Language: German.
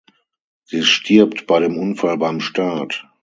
Sie stirbt bei dem Unfall beim Start.